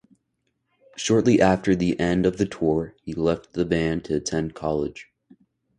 Shortly after the end of the tour, he left the band to attend college.